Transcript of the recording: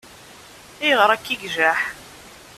Ayɣer akka i ijaḥ?